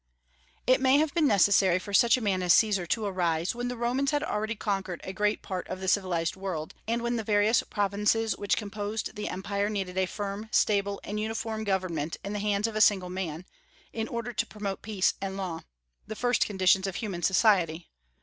It may have been necessary for such a man as Caesar to arise when the Romans had already conquered a great part of the civilized world, and when the various provinces which composed the Empire needed a firm, stable, and uniform government in the hands of a single man, in order to promote peace and law, the first conditions of human society.